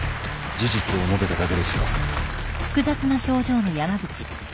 事実を述べただけですよ。